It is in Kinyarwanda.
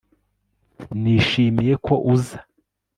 nishimiye ko uza